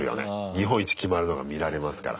日本一決まるのが見られますから。